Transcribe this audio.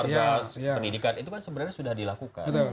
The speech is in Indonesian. pindah kembali keluarga pendidikan itu kan sebenarnya sudah dilakukan